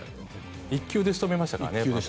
１球で仕留めましたからね。